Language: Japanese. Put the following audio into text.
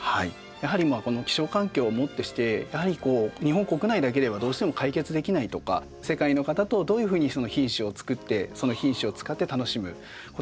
やはりこの気象環境をもってして日本国内だけではどうしても解決できないとか世界の方とどういうふうにその品種をつくってその品種を使って楽しむことができるか。